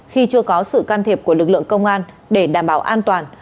khi chưa có sự can thiệp của lực lượng công an để đảm bảo an toàn